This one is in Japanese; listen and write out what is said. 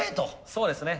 そうですね。